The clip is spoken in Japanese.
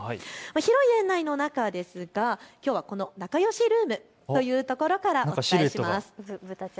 広い園内の中ですがきょうはこのなかよしルームというところからお伝えします。